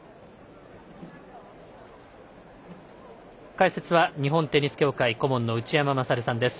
解説は日本テニス協会顧問の内山勝さんです。